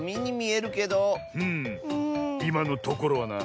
いまのところはな。